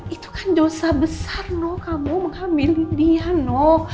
itu kan josa besar noh kamu menghamilin dia noh